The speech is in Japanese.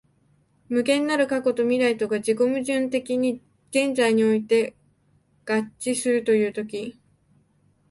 無限なる過去と未来とが自己矛盾的に現在において合一するという時、